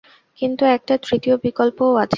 কিন্তু একটা তৃতীয় বিকল্পও আছে।